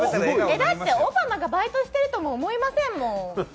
だってオバマがバイトしているとも思いませんもん。